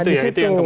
nah di situ